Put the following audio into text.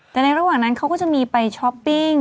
แต่ในระหว่างนั้นเขาก็จะมีไปช้อปปิ้ง